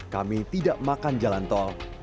kami tidak makan jalan tol